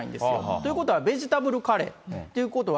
ということは、ベジタブルカレー。っていうことは、